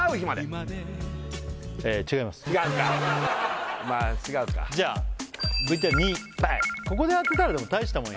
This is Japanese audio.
それ違うかまあ違うかじゃあＶＴＲ２はいここで当てたらでも大したもんよ